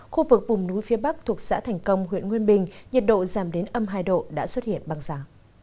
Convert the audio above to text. khu vực vùng núi phía bắc thuộc xã thành công huyện nguyên bình nhiệt độ giảm đến âm hai độ đã xuất hiện băng giá